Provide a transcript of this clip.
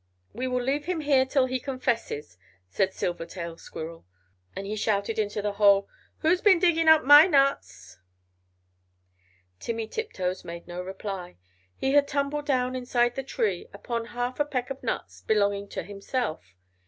"We will leave him here till he confesses," said Silvertail Squirrel, and he shouted into the hole "Who's been digging up my nuts?" Timmy Tiptoes made no reply; he had tumbled down inside the tree, upon half a peck of nuts belonging to himself.